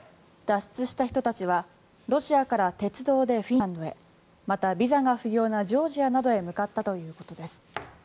脱出した人たちはロシアから鉄道でフィンランドへまた、ビザが不要なジョージアなどへ向かったということです。